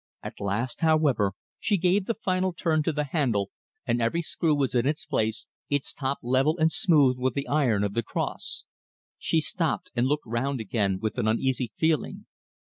At last, however, she gave the final turn to the handle, and every screw was in its place, its top level and smooth with the iron of the cross. She stopped and looked round again with an uneasy feeling.